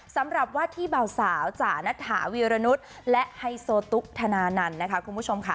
สำหรับวาดที่เบาสาวจ๋านัทถาวีรนุษย์และไฮโซตุ๊กธนานันต์นะคะคุณผู้ชมค่ะ